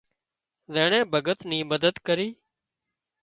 زينڻي بڳت ني مدد ڪري